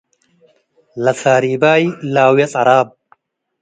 ለ’ሳሪባይ - ላውየ ጸራብ